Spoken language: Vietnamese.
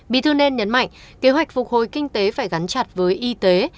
bí thư nên nhấn mạnh kế hoạch phục hồi kinh tế phải gắn chặt với y tế